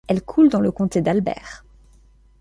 Elle coule dans le comté d'Albert.